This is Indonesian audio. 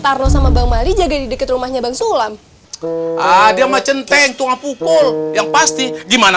mano sama bang mari jaga di deket rumahnya bang sulam ada macen penghitung apukul yang pasti gimana